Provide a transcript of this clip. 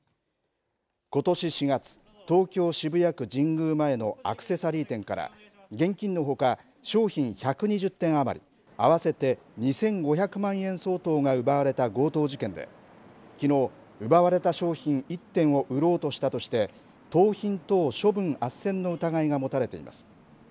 ことし４月東京、渋谷区神宮前のアクセサリー店から現金のほか商品１２０点余り合わせて２５００万円相当が奪われた強盗事件できのう奪われた商品１点を売ろうとしたとして盗品等処分あっせんの疑いが持たれています。